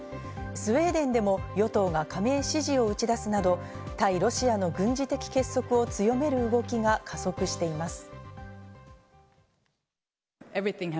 スウェーデンでも与党が加盟支持を打ち出すなど、対ロシアの軍事的結束を強める動きが加速しています。